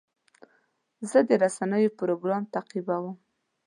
زه د رسنیو پروګرام تعقیبوم.